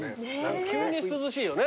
急に涼しいよね。